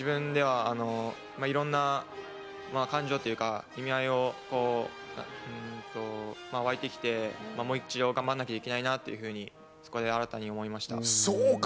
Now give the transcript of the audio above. その言葉が自分では、いろんな感情というか、意味合いが沸いてきて、もう一度頑張らないといけないなというふうに新たに思いました。